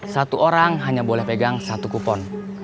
satu orang hanya boleh pegang satu kupon